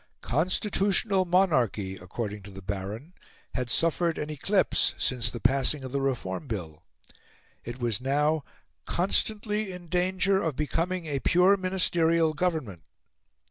Constitutional Monarchy, according to the Baron, had suffered an eclipse since the passing of the Reform Bill. It was now "constantly in danger of becoming a pure Ministerial Government."